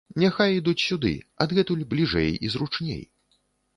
Няхай ідуць сюды, адгэтуль бліжэй і зручней.